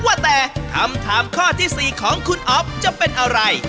ว่าแต่คำถามข้อที่๔ของคุณอ๊อฟจะเป็นอะไร